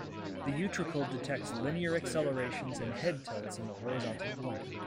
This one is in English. The utricle detects linear accelerations and head-tilts in the horizontal plane.